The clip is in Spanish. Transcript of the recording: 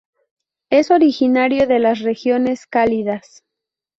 Es originario de las regiones cálidas.